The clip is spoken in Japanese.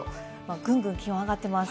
ぐんぐん気温が上がってます。